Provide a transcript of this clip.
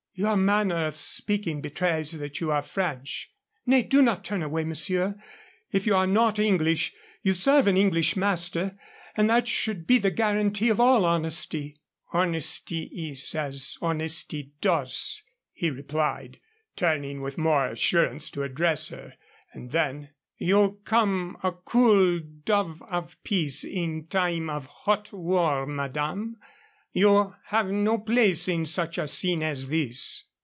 "Your manner of speaking betrays that you are French. Nay, do not turn away, monsieur. If you are not English, you serve an English master, and that should be the guarantee of all honesty." "Honesty is as honesty does," he replied, turning with more assurance to address her. And then, "You come a cool dove of peace in time of hot war, madame. You have no place in such a scene as this."